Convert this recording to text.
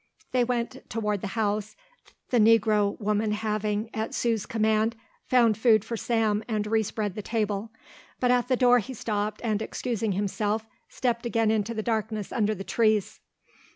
They went toward the house, the Negro woman having, at Sue's command, found food for Sam and respread the table, but at the door he stopped and excusing himself stepped again into the darkness under the trees.